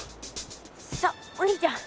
さあお兄ちゃん